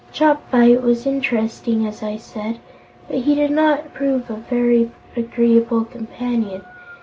Chopfyt was interesting, as I said, but he did not prove a very agreeable companion.